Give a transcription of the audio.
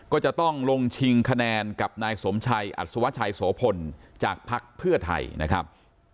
ก็จะต้องลงชิงคะแนนกับนายสมชัยอัศวชัยโสพลจากภักดิ์เพื่อไทยนะครับ